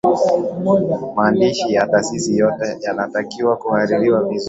maandishi ya taasisi yoyote yanatakiwa kuhaririwa vizuri